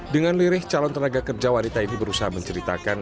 dengan lirih calon tenaga kerja wanita ini berusaha menceritakan